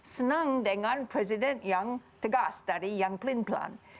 senang dengan presiden yang tegas dari yang pelan pelan